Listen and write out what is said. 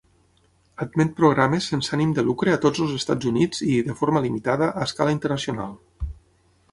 Admet programes sense ànim de lucre a tots els Estats Units i, de forma limitada, a escala internacional.